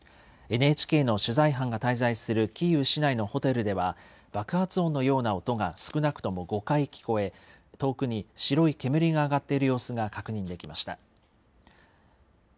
ＮＨＫの取材班が滞在するキーウ市内のホテルでは、爆発音のような音が少なくとも５回聞こえ、遠くに白い煙が上がっている様子が確認できました。